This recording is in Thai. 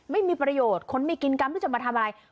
ไม่มีประโยชน์คนไม่กินกรรมหรือจะมาทำอะไร